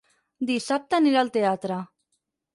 Dissabte anirà al teatre.